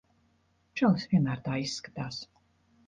Čalis vienmēr tā izskatās.